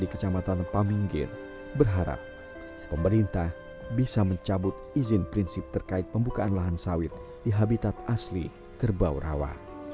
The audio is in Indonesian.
di kecamatan paminggir berharap pemerintah bisa mencabut izin prinsip terkait pembukaan lahan sawit di habitat asli kerbau rawa